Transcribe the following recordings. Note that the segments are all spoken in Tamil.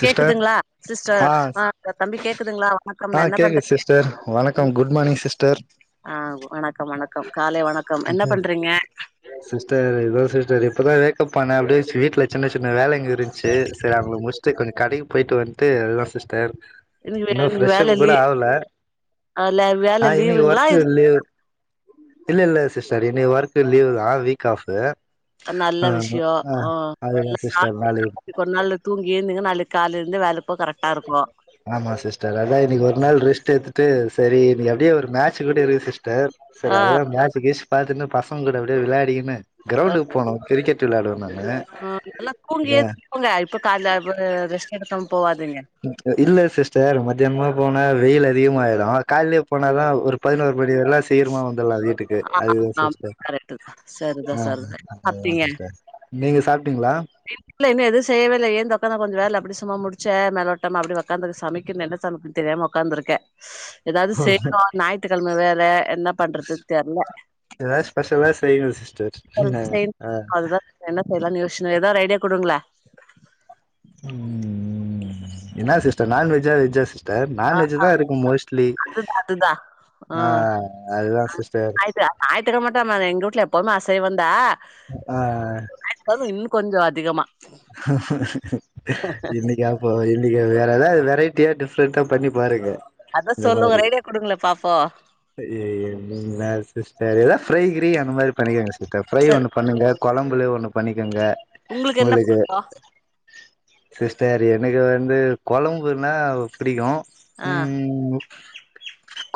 சிஸ்டர் கேக்குதுங்களா சிஸ்டர் ஆ தம்பி கேக்குதுங்களா வணக்கம் என்ன பண்றீங்க டர் வணக்கம் குட் மார்னிங் சிஸ்டர் ஆ வணக்கம் வணக்கம் காலை வணக் [unintelligible] சிஸ்டர் இதோ சிஸ்டர் இப்பதா வேக்கப் பண்ணே அப்படியே வீ்ட்ல சின்ன சின்ன வேலைங்க இருந்துச்சு சரி அவங்கள முடிச் சு கொஞ்ச கடைக்கு போயிட்டு வந்துட்டு அதுதா சிஸ்டர் இன்னைக்கு வே- இன்னு இன்னைக்கு ஃப்ரெஷ் அப் வேல கூட லீ ஆவல வேல ஆ இன்னிக்கு லீவுங்களா இது ஒர்க்லீவு இல்ல இல்ல சிஸ்டர் இனி ஒர்க்கு லீவு தா வீக் ஆஃபு நல்ல ஆமா விஷயோ ஆ அதுதா சிஸ்டர் வேலையே இப்போ ஒரு நாள்ல தூங்கிருந்தீங்கன்ன நாளைக்கு காலயிருந்து வேலை போக கரெக்டா இருக்கு ஆமா சிஸ்டர் அதா இன்னைக்கு ஒரு நாள் ரெஸ்ட் எடுத்துட்டு சரி இன்னைக்கு அப்படியே ஒரு மேட்ச் கூட இருக்கு சிஸ்டர் ஆ சரி அதுதா ஆ மேட்சு கேச்சு பாத்துன்ட்டு பசங்கூட அப்படியே விளையாடிக்கின்னு கிரௌண்டுக்கு போனோ கிரிக்கெட் டு விளையாடனுனு ஆ நல்லா தூங்கியது தூங்க இப்ப கால ரெஸ்ட் எடுக்காம போவாதிங்க இப்ப இல்ல சிஸ்டர் மத்தியானமா போனா வெயில் அதிகமாயிடு கால்லயே போனாதா ஒரு பதினோரு மணி வரலா சீக்கிரமா வந்துடலா வீட்டுக்கு ஆ அதுதா ஆமா சிஸ்டர் கரெக்ட் சரிதா ஆமா சரிதா அதுதா சாப்ட்டீங்க சிஸ்டர் நீங்க சாப்ட்டீங்களா இல்ல இன்னும் எதும் செய்யவே இல்ல ஏன்து உக்காந்த கொஞ்சோ வேலை அப்படி சும்மா முடிச்சே மேலோட்டமா அப்படி உக்காந்து சமைக்குணு என்ன சமைக்குற துன்னு தெரியாம உக்காந்துருக்கே ஏதாவது செய்ணு ஞாயித்துக்கிழமை வேற என்ன பண்றது தெர்ல ஆ எதாச்சு ஸ்பெஷலா செய்வே சிஸ்டர் என்ன செய்யணு ஆ அதுதா என்ன செய்யலான்னு யோசுச்சுனே ஏதா ஒரு ஐடியா குடுங்களே உம் என்னா சிஸ்டர் நான் வெஜ்ஜா வெஜ்ஜா சிஸ் டர் நான்வெஜ் தா இருக்கும் மோஸ்ட்லி அதுதா அதுதா ஆ அதுதா சிஸ்டர் ஞாயித்து கிழமை மட்டு அம்மாவே எங்க வூட்ல எப்பவுமே அசைவந்தா அ அ ஞாயித்து கிழமை இன்னும் கொஞ்சோ அதிகமா இன்னிக்காப் போ இன் னக்கு அப்ப வேற ஏதாவது வெரைட்டியா டிஃப்ரெண்ட்டா பண்ணி பாருங்க அதா சொல்லு ஒரு ஐடியா குடுங்களே பாப்போ என்னா சிஸ்டர் ஏதா ஃப்ரை கிரி அந்த மாறி பண்ணிக்கோங்க சிஸ்டர் ஃப்ரை சரி ஒண்ணு பண்ணுங்க கொழம்புலே ஒண்ணு பண்ணிக்குங்க என்ன உங்களுக்கு புடிக்கு சிஸ்டர் எனக்கு வந்து கொழம்புன்னா புடிக்கும் ஆ உம்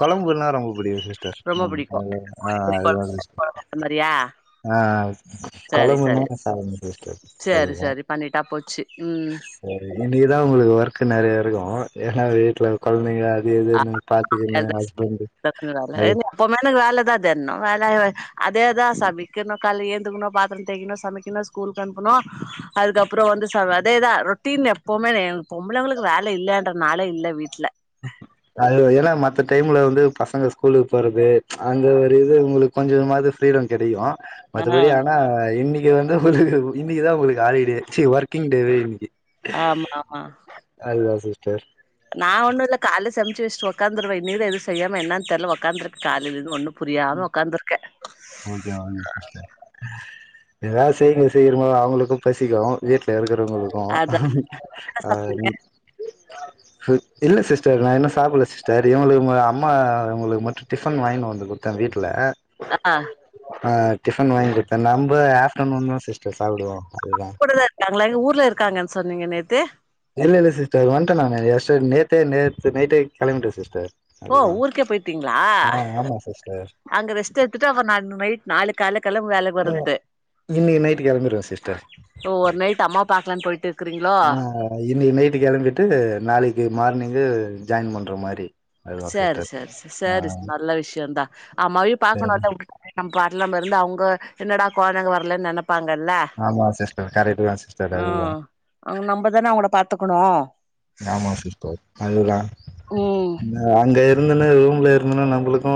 கொழம்புன்னா ரொம்ப புடிக்கும் சிஸ் டர் ரொம்ப ஆ புடிக்கு அதுதா ம் கோழிக்கறி அதுதா சிஸ்டர் கொழம்பு அந்த மாரியா ஆ கொழம்புன்னா சாப்புடுவ சிஸ்டர் சேரி அதுதா சரி பண்ணிட்டா போச்சு உம் சரி இன்னைக்குதா உங்களுக்கு ஒர்க் நெறையா இருக்கும் ஏன்னா வீட்ல கொழந்தைங்க அது இதுன்னு பாத்துக்கின்னு ஹஸ்பண்ட்டு அது எப்பமே எனக்கு வேலைதா தினோ வேலை ஆ அதேதா சமைக்கணு கால்ல எழுந்துக்கணும் பாத்தரோ தேக்கணு சமைக்கணு ஸ்கூலுக்கு அனுப்பனு அதுக்கப்றோ வந்து ச அதேதா ரொட்டீன் எப்பவுமே பொம்பளைங்களுக்கு வேலை இல்லன்ற நாளே இல்ல வீட்ல அது ஏன்னா மத்த டைம்ல வந்து பசங்க ஸ்கூலுக்கு போறது அங்க ஒரு இது உங்களுக்கு கொஞ்சமாது ஃப்ரீடம் கெடைக்கு ஆ மத்தபடி ஆனா இன்னைக்கி வந்து ஒரு இன்னைக்குதா உங்களுக்கு ஹாலிடே சீ ஒர்க்கிங் டேவே இன்னைக்கு ஆமா ஆமா அதுதா சிஸ்டர் நா ஒன்னும் இல்ல கால்ல சமச்சு வச்சிட்டு உக்காந்துருவ இன்னைக்கு தா எதுவு செய்யாம என்னான்னு தெர்ல உக்காந்துருக்கே காலைலலேந்து ஒன்னும் புரியாம ஒக்காந்துருக்கே ஓக்கே வாங் சிஸ்டர் ஏதாது செய்ங்க சீக்கிரமா அவங்களுக்கு பசிக்கும் வீட்ல இருக்கிறவங்களுக் அதா கும் அந் இல்ல சிஸ்டர் நா இன்னும் சாப்பில்ல சிஸ்டர் இவங்களுக்கு அம்மா இவங்களுக்கு மட்டும் டிஃபன் வாங்கினு வந்து குடு தா வீட்ல ஆ ஆ டிஃபன் வாங்கி குடுத்தே நம்ப ஆப்டர்நூன் தா சிஸ்டர் சாப்பிடுவோ அதுதா கூடதா இருக்காங்களா எங்க ஊர்ல இருக்காங்கன்னு சொன்னீங்க நேத்து இல்ல இல்ல சி்ஸ்டர் வன்ட்டே நானு எஸ்டர் நேத்தே நேத்து நைட்டே கெளம்பிட்டே சிஸ்டர் ஓ அதுதா ஊருக்கே போயிட்டீங்ளா ஆ ஆமா சிஸ்டர் அங்க ரெஸ்ட் எடுத்துட்டு அப்றோ நாளைக் நைட் நாளைக்கு கால்ல கெளம்பி வேலைக்கு ம் வரத்து இன்னைக்கு நைட்டு கெளம்பிருவே சிஸ்டர் ஓ ஒரு நைட்டு அம்மா பாக்கலனு போயிட் இருக்கறீங்களோ அ இன்னைக்கு நைட்டு கெளம்பிட்டு நாளைக்கு மார்னிங்கு ஜாயின் பண்ற மாரி அதுதா சேரி சிஸ்டர் சேரி ச ஆ சேரிஸ் ச நல்ல விஷயந்தா அம்மாவியு சரி பாக்கணும்ல நம்ம பாட்டுல நம இருந்தா அவுங்க என்னடா கொழந்தைங்க வரலன்னு நெனப்பாங்கள ஆமா சிஸ்டர் கரட்டு தா சிஸ்டர் அதுவு அவங் நம்பதானே அவங்கள பாத்துக்கணு ஆமா சிஸ்டர் அதுதா ம் அங்கயே இருந்துன்னு ரூம்ல இருந்தன்னா நம்மளுக்கு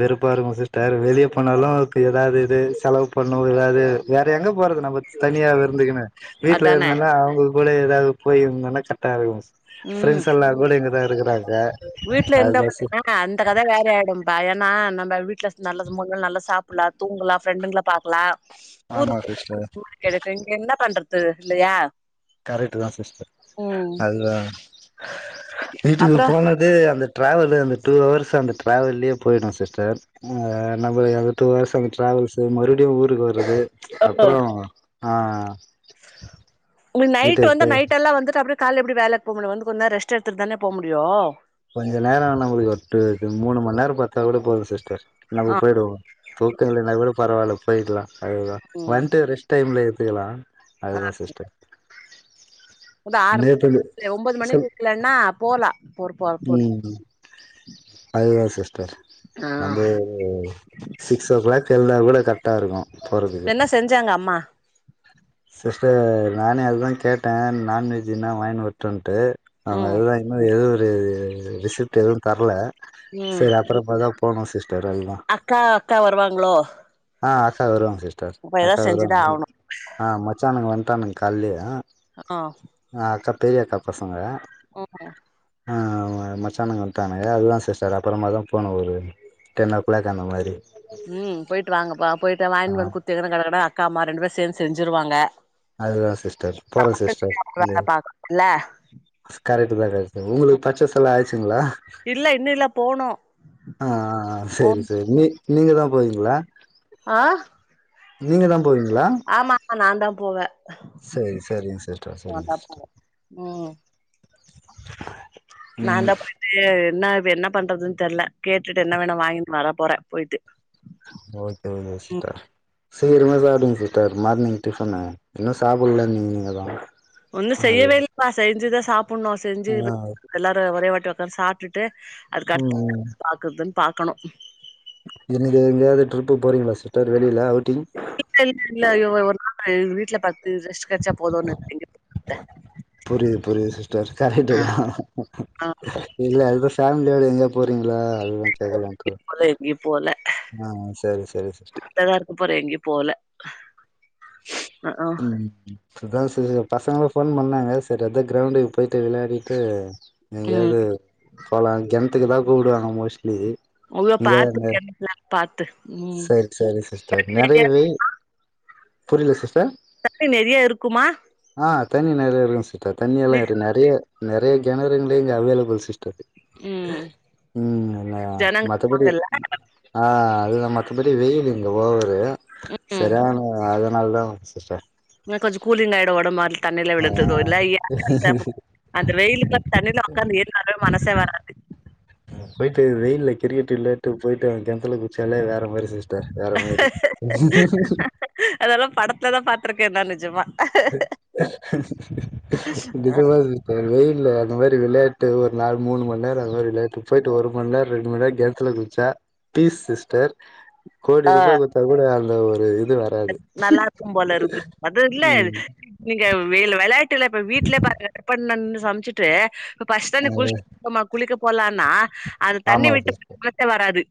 வெறுப்பா இருக்கு சிஸ்டர் வெளிய போனாலு அதுக்கு எதாவது இது செலவு பண்ண முடியாது வேற எங்க போறது நம்ம தனியா வி இருந்துக்குன்னு வீடல அதானே இருந்தனா அவங்க கூட ஏதாவது போய்ருந்தன்னா கரெக்டா இருக்கு ம் ஃபிரண்ட்ஸல்லா கூட இங்க தா இருக்கறாங்க வீட்ல எந்த [unintelligible] அ அந்த கத வேற ஆயிடும்ப்பா ஏன்னா நம்ம வீட்ல நல்லது முன்ன நல்லா சாப்பிலா தூங்கலா ஃப்ரெண்டுங்கள பாக்கலா ஆமா ஊருக்கு சிஸ்டர் [unintelligible] இங்க என்ன பண்றது இல்லையா கரெக்ட்டு தா சிஸ்டர் ம் அதுதா வீட்டுக்கு அப்புறோ போன இது அந்த ட்ராவலு அந்த டூ ஹவர்ஸ் அந்த ட்ராவல்லேயே போயிடு சிஸ்டர் ஆ நம்ம அந்த டூஹர்ஸ் அந்த ட்ராவல்ஸ்சு மறுபடியு ஊருக்கு வர்றது ஓ அப்பறோ ஆ உங்களுக்கு நைட் வீட்டுக்கு வந்து போய் நைட் எல்லா வந்துட்டு அப்டி கால்ல எப்டி வேலைக்கு போக முடியு வந்து கொஞ்ச நேர ரெஸ்ட் எடுத்துட்டு தான போ முடியு கொஞ்ச நேர நம்மளுக்கு ஒரு டு மூணு மணி நேர பாத்தா கூட போது சிஸ்டர் நம ஆ போயிடுவோ தூக்க இல்லன்னா கூட பரவால்ல போயிடலா அதுதா ம் வந்துட்டு ரெஸ்ட் டைம்ல எடுத்துக்கலா அதுதா சிஸ்டர் உத ஆறு நேத்து மணி ஒன்பது மணிக்கு சொல் இருக்கலன்னா போலா போர் போ போர் ம் அதுதா சிஸ்டர் ஆ நம்போ ஓ சிக்ஸ் ஓ க்ளாக் எழுந்தா கூட கரெக்டா இருக்கு போறதுக்கு சாங்க அம்மா சிஸ்டர் நானே அது தா கேட்டே நான்வெஜ் எதுனா வாங்கினு வர் டான்ட்டு அவங்க ம் அதுதா இன்னு எதுவு ஒரு ரிசிப்ட்டு எதுவு தரல ம் சேரி அப்புறமாதா போனு சிஸ்டர் எல்லா அக்கா அக்கா வருவாங்களோ ஆ அக்கா வருவாங்க சிஸ்டர் அப்ப அக்கா ஏதாவது செஞ்சுதா வருவாங்க ஆகணு ஆ மச்சானுங்க வண்டானுங்க கால்லயேவு ஆ நா அக்கா பெரியக்கா பசங்க ம் ஆ மச்சானுங்க வட்டானுங்க அதுதா சிஸ்டர் அப்பறமா தா போணு ஒரு டென் ஓ கிளாக் அந்த மாரி ம் போயிட்டு வாங்கப்பா போயிட்டு ஆ வாங்கினு வந்து குத்தி கட கட அக்கா அம்மா ரெண்டு பேர் சேந்து செஞ்சிருவாங்க அதுதா சிஸ்டர் போறே சிஸ்டர் இந்த வேல பாக்கணும்ல கரெக்டடுதா கரெக்ட்டு உங்களுக்கு பச்சேஸ் எல்லா ஆச்சுங்களா இல்ல இன்னு இல்ல போனு ஆ ஆ போ சேரி சேரி நீ நீங்க தா போவீங்களா ஆ நீங்க தா போவீங்களா ஆமா நாந்தா போவே சரி சரிங்க சிஸ்டர் நா சரிங்க தா போவே சிஸ்டர் ம் ம் நாந்தா போயிட்டு என்ன இ என்ன பண்றதுன்னு தெரியல கேட்டுட்டு என்ன வேணா வாங்கினு வர போறே போயிட்டு ஒகே ஒ ம் சீஸ்டர் சீக்கரமே சாப்படுங்க சீட்டர் மார்னிக் டிபின்னு இன்னு சாப்டல நீ நீங்கதா ஒன்னு அது செய்யவே இல்லப்பா செஞ்சுதா சாப்பணு செஞ்சு ஆ எல்லாரு ஒரே வாட்டி வக்காந்து சா ட்டுட்டு அதுக்கு ம் அடுத்த பாக்குறதுன் பாக்கணு நீக்கு எங்கயாவது ட்ரிப்பு போறீங்களா சிஸ்டர் வெளியில அவுட்டிங் இல்ல இல்ல இல்ல ஒரு நாள் வீட்ல பத்து ரெஸ்ட் கிச்சா போதும்ன்னுங்க புரியுது புரியுது சிஸ்டர் கரெக்ட்டு தா ஆ இல்ல அ ஃபேமிலியோட எங்க போறீங்களா அதல்லா கேக்கலாக்கு எங்கயும் போல எங்கயு ஆ சரி சரி சிஸ்டர் இங்கதா இருக்க போறே எங்கையு போல ம் ம் இதா சீஸ் பசங்களு போன் பண்ணாங்க சர் அதா க்ரௌண்டுக்கு போயிட்டு விளையாட்டு போப்பயட்டு ம் எங்கயாவது போலா கெணத்துக்கு தா கூப்டுவாங்க மோஸ்ட்லி உ இங்க பாத்து இந்த கமலா பாத்து ம் சரி சரி சிஸ்டர் நெறைய நெறையவே புரியல சிஸ்டர் தட்டு நெறைய இருக்குமா ஆ தண்ணி நெறைய இருக்கு சிஸ்டர் தண்ணி எல்லா நி இருக்கு நெறைய நெறைய கெணறுங்களே இங்க அவைலபிள் சிஸ்டர் ம் [unintelligible] ம் என்ன ஜனங்க மத்தபடி இருப்பாங்கல்ல ஆ அதுதான் மத்தபடி வெயில் இங்க ஓவரு ம் சரி அவனுங்க அதனால தான் சிஸ்டர் என்ன கொஞ்சோ கூலி்ங் ஆயிடு மாறி தண்ணியில ஆ விழுந்துதோ இல்ல அந்த வெயிலுக்க அந்த தண்ணில உக்காந்து எல்லாருமே மனசே வராது போயிட்டு வெயில்ல கிரிக்கெட்டு் விளையாட்டு போயிட்டு அவ மத்தியானதுல் குச்சாலே வேற மாதி சிஸ் டர் வேற மாரி அதெல்லா படத்துல தா பாத்திருக்கேன்னா நெஜமா [unintelligible] வெயில் அந்த மாதி விளையாட்டு ஒரு நாள் மணு மணி நே அந்ததிரி விளையாட்டு போயிட்டு ஒரு மணி நேம் ரெண்டுண நேர கெணத்துல குச்சா பீஸ் சிஸ்டர் கோடி ரூபா குடுத்தா கூட அந்த ஒரு இது வ நல்லாருக்கும் போல இருக்குது அது இல்ல ம் நீங்க வெ விளையாட்டு இல்ல இப்ப வீட்லய பாரு க பண்ணனு சமைச்சுட்டு இப்ப பஸ்ட் ஆ தான குளிமா குளிக்க போலான்னா அத தண்ணி ஆமா விட்டு சிஸ்டர் குளிக்க வராது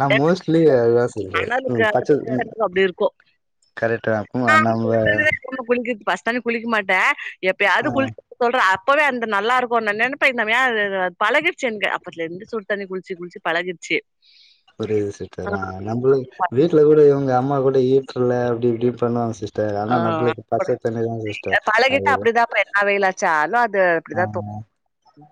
நா மோஸ்ட்லி அதுதா சொல்றே அனலுக்கு ம் அந்த பச்ச அப்டி இருக்கு கரெகா நா [inaudible] பச்ச தண்ணி குளிக்க மாட்டே ஆ எப்பயாவது குளிச்ச சொல்றே அப் அப்பவே அந்த நல்லாருக்கு நெனைப்பெ ந ஏ பழகடுச்சு எனக்கு அப்பந்துத்துல இந்து சுடுத்தண்ணி குளிச்சு குளிச்சு பழகடுச்சு புரியிது சிஸ்டர் அ நம்மள் வீட்ல கூட இங்க அம்மா கூட ஈட்டுரலு அப்படி இப்படின்னு பண்ணுவாங்க சிஸ் ஆ பழகிட்டா அது அப்டிதா அப்படிதாப்பா என்னா வெயிலடிச்சாலு அது அப்படிதா தோனு ம்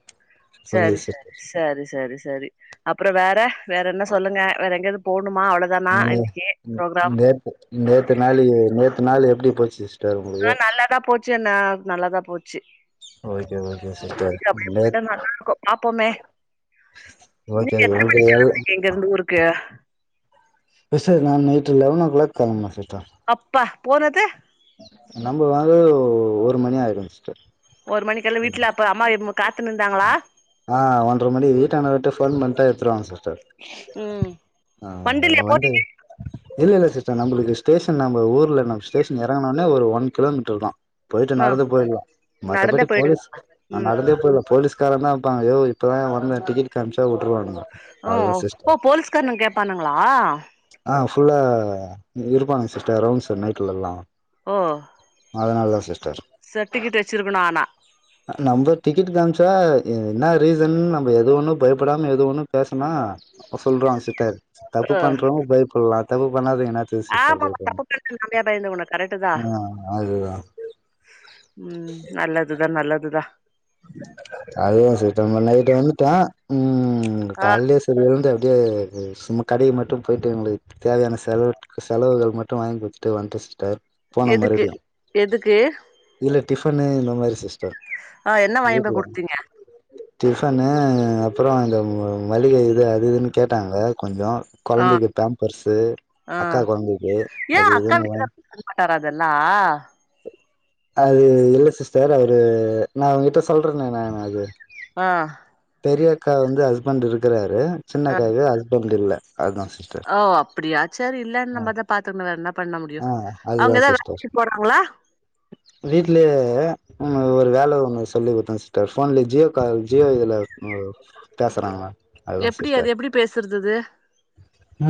ஓகே சிஸ் சரி சரி சரி அப்பற வேற வேற என்ன சொல்லுங்க வேற எங்கயாது போணுமா அவ்வளோ ம் நே நேத்து நேத்து நாளு நேத்து நாள் எப்படி போச்சு சீஸ் ஆ நல்லாதா போச்சு என்ன நல்லாதா போச்சு ஓகே அ ஓகே சிஸ்டர் அப்டியே நேத் போய்டா நல்லாருக்கும் பாப்போமே ஓக்கே அது உங்களால இங்கருந்து ஊருக்கு சிஸ்டர் நா நைட்டு லெவன் ஓ கிளாக் கெளம்புனே சிஸ்டர் அப்பா போனது நம்ம வந்து ஒரு மணி ஆயிரு சிஸ்டர் ஒரு மணிக்கு எல்லா வீட்ல அப்ப அம்மா எதும் காத்துனு இருந்தாங்ளா ஆ ஒன்றரை மணி வீட்டான்ட்ட விட்டு ஃபோன் பண்ணிட்டா எடுத்துருவாங்க சிஸ்டர் ம் ஆ வண்டில வந்து போனீங்க இல்ல இல்ல சிஸ்டர் நம்மளுக்கு ஸ்டேஷன் நம்ம ஊர்ல நம்ம ஸ்டேஷன் இறங்குனவுட்னே ஒரு ஒன் கிலோமீட்டர் இருக்கும் போயிட்டு ஆ நடந்து போயிடுவ நடந்தே மத்தபடி போயிடுவே போலீஸ் நா ம் நடந்தே போயிடுவே போலீஸ் உக்காரனாட்டா யோ இப்பதாயா வந்தே டிக்கட்டு காம்சா வுட்ருவானுங்க ஓ ஓ போலீஸ்காரனுங்க கேப்பானுங்களா ஆ ஃபுல்லா இருப்பானுங்க சிஸ்டர் ரவுன்ஸ்சு நைட்ல எல்லா ஆ அதனால தா சிஸ்டர் சட்விகட் வச்சிருக்கணு ஆனா நம்ப டிக்கெட்டு காமிச்சா என்னா ரீசன் நம்ம எது ஒண்ணும் பயப்படாம எது ஒண்ணும் பேசனா சொல்றாங்க சிட்டர் தப்பு ஆ பண்றவங்க பயப்பல்லா தப்பு பண்ணாதவங்க என்னா த்துக்கு சிஸ்டர் ஆமா பயப்பட்ணு தப்பு பண்ற நாமயா பயந்து உனக்கு கரெக்ட் தா ஆ அது தா ம் நல்லதுதா நல்லதுதா அதே சிஸ்டர் முன் நைட்டு வந்துட்ட ம் ஆ கால்லயே சரி இருந்து அப்படியே சும்மா கடைய மட்டும் போய்ட்டு எங்களுக்கு தேவையான செலவுட் செலவுகள் மட்டு வாங்கி குடுதுட்டு வந்துட்டே சிஸ்டர் போன எதுக்கு மறுபடியு எதுக்கு இல்ல டிஃபன்னு இந்த மாறி சிஸ்டர் ஆ என்ன வாங்கிட்டு போய் வீட்ல குடுத்தீங்க டிஃபனு அப்றோ இந்த மளிகை இது அது இதுன்னு கேட்டாங்க கொஞ்சோ ஆ கொழந்தைக்கி பேம்பர்ஸ்சு ஆ அக்கா கொழந்தைக்கி அது இதுன்னுவு அதுப்பன்டாரா அதெல்லா அது இல்ல சிஸ்டர் அவரு நா உங்ககிட்ட சொல்றனே நானு அது ஆ பெரியக்கா வந்து ஹஸ்பண்ட் இருக்கறாரு ஆ சின்னக்காக்கு ஹஸ்பண்ட் இல்ல அத்தா சிஸ் ஓ அப்பிடியா சேரி இல்லன்னு நம்மதா பாத்துக்கணு வேற என்ன பண்ண முடியு ஆ அவுங்க எதோ வேலைக்கு போறா ங்ளா வீட்ல இருக்குது அ ஒரு வேல ஒண்ணு சொல்லி குடுத்த சிஸ்டர் ஃபோன்ல ஜியோ கால் ஜியோ இதுல ஒரு பேசறாங்க அதுதா எப்டி அது சிஸ்டர் எப்டி பேசுறதது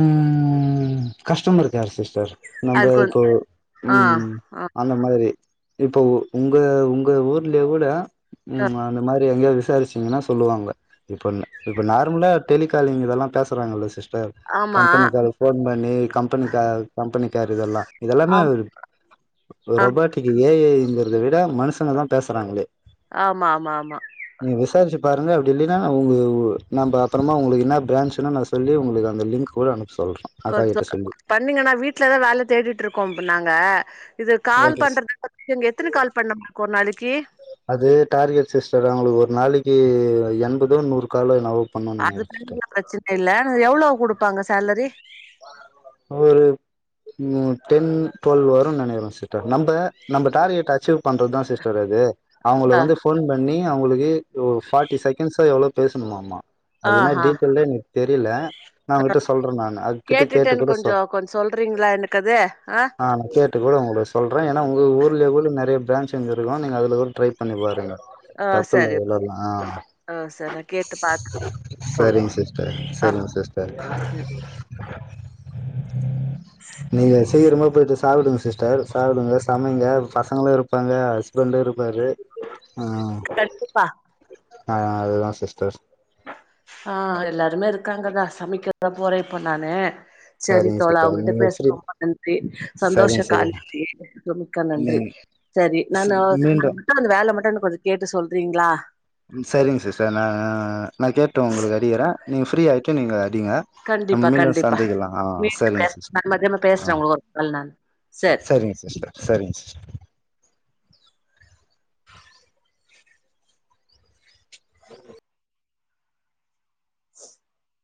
ம் கஸ்டமர் கேர் சிஸ்டர் அது நம்ம கொஞ் இப்போ ஆ ம் ஆ அந்த மாதிரி இப்போ உங்க உங்க ஊர்லயே கூட ம் அந்த மாறி எங்கயோ விசாரிச்சீங்கன்னா சொல்வாங்க இப்ப இப்ப நார்மலா டெலிகாலிங் இதெல்லா பேசறாங்கில்ல சிஸ்டர் ஆமா கம்பனிக்கார ஃபோன் பண்ணி கம்பனிக்கால் கம்பனிக்கேர் இதெல்லா இதெல்லாமே ஆம் அது ஆ ரொபோட்டிக் ஏ ஐ ங்குறத விட மனுஷங்க தா பேசறாங்களே ஆமா ஆமா ஆமா நீங்க விசாரிச்சு பாருங்க அப்பிடி இல்லன்னா உ நம்ம அப்பறமா உங்களுக்கு என்ன பிராஞ்சுன்ன நா சொல்லி உங்களுக்கு அந்த லிங்க் கூட அனுப்ப சொல்ற கொஞ்ச பண்ணீங்கன்னா வீட்லதா வேல தேடிட்ருக்கோம் நாங்க இது கால் பண்றது எங்க எத்தன கால் பண்ண மா ஒரு நாளைக்கீ அது டார்கெட் சிஸ்டர் அவுங்களுக்கு ஒரு நாளைக்கி எண்பதோ நூறு காலோ என்னவோ பண்ணுன்னு நெனைக்கிறே சிஸ்டர் அதுதங்க பிரச்சன இல்ல எவ்வோளோ குடுப்பாங்க சேலரி ஒரு ம் டென் ட்வெல் வரோ நெனைகிறோ சிஸ்டர் அது நம்ப நம்ம டார்கெட் அச்சீவ் பண்றதுதா சிஸ்டர் அது அவங்கள ஆ வந்து ஃபோன் பண்ணி அவங்களுக்கு ஓ பார்ட்டி செகண்ட்சோ எவ்வோளோ பேசணுமாம்மா அது என்னா ஆஹா டீட் டெயிலி தெரில நா ஓங்கிட்ட சொல்றே நானு அதுகிட்ட கேட்டு கூட சொ கொஞ்சே கொஞ்ச சொல்றீங்களா எனக்கு அது ஆ ஆ கேட் ட்டு கூட உங்க ளுக்கு சொல்றே ஏன்னா உங்க ஊர்ல கூட நெறைய பிரான்ச் எங்க இருக்கு நீங்க அதுல கூட ட்ரை பண்ணி பாருங் ஆ தப்புல சரி விளலா ஆ சரி நா கேட்டு பாத்துட்டு சொல்றே சரிங்க சிஸ்டர் ஆ சரிங்க சிஸ்டர் சரி நீங்க சீக்கிரமா போயிட்டு சாப்புடுங்க சிஸ்டர் சாப்புடுங்க சமைங்க பசங்களு இருப்பாங்க ஹஸ்பண்ட்டு இருப்பாரு ஆ கண்டிப்பா ஆ அதுதா சிஸ்டர் ஆ எல்லாருமே இருக்காங்கதா சமைக்கிறதா போறே இப்ப நானு செரி சரிங்க தோழா சிஸ்டர் அவங்கிட்ட நீங்க பேசற ஃப்ரீ ரொம்ப நன்றி சந்தோஷ சரிங்க சிஸ்டர் காலிலயே மிக்க நீ நன்றி செரி நானு மீண்டு அது மட்டு அந்த வேல மட்டு கொஞ்ச கேட்டு சொல்றீங்களா ம் செரிங்க சிஸ்டர் நா நா கேட்டு உங்களுக்கு அடிக்கிறே நீங்க ஃப்ரீயா ஆயிட்டு நீங்க அடிங்க நம்ம கண்டிப்பா மீண்டும் கண்டிப்பா சந்திக்கலா ஆ மீண்டு சரிங்க பேசலா சிஸ்டர் நா மதியனோ பேசுறே உங்களுக்கு ஒருநாள் நானு செரி ஸ் சிஸ்டர் செரிங்க சிஸ் [inaudible]